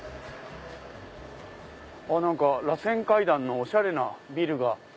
らせん階段のおしゃれなビルが。